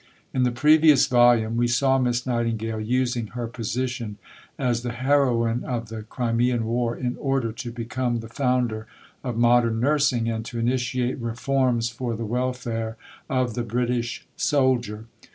In the previous volume we saw Miss Nightingale using her position as the heroine of the Crimean War in order to become the founder of modern nursing, and to initiate reforms for the welfare of the British soldier.